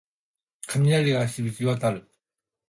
雷鳴が響き渡る